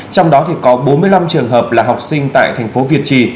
trong đó có bốn mươi năm trường hợp là học sinh tại thành phố việt trì